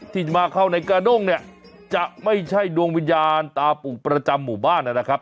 ที่จะมาเข้าในกระด้งเนี่ยจะไม่ใช่ดวงวิญญาณตาปู่ประจำหมู่บ้านนะครับ